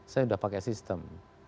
saya sudah pakai sistem